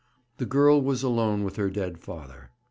The girl was alone with her dead father.